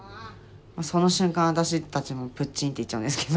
その瞬間私たちもプッチンっていっちゃうんですけど。